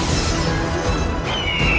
jangan berani kurang ajar padaku